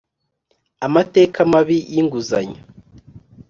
Amateka mabi y inguzanyo